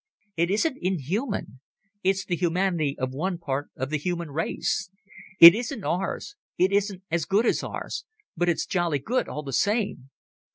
It isn't inhuman. It's the humanity of one part of the human race. It isn't ours, it isn't as good as ours, but it's jolly good all the same.